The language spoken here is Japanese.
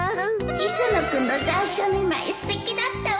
磯野君の残暑見舞いすてきだったわ